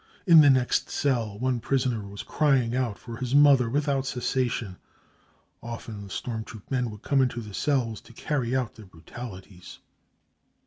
In the next cell one prisoner was crying out for his mother without ^ cessation. Often the storm troop men would come into the cells to carry out their brutalities."